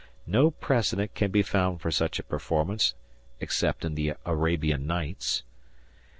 No precedent can be found for such a performance, except in the Arabian Nights.